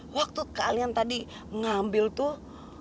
waktu kalian tadi ngambil tuh